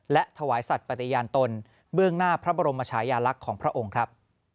และถวายสัตว์ปฏิญาณตนเบื้องหน้าพระบรมชายาลักษณ์ของพระองค์ครับ